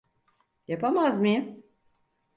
Yapamaz mıyım?